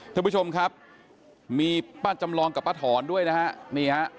ท่านผู้ชมครับมีป้าจำลองกับป้าถอนด้วยนะฮะนี่ฮะ